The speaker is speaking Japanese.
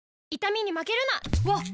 わっ！